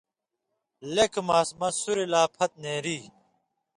لیٙکھہۡ ماسُمہۡ سُوریۡ لا پھت نېری۔